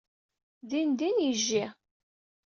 Dindin yejji.